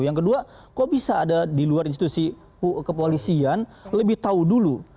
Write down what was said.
yang kedua kok bisa ada di luar institusi kepolisian lebih tahu dulu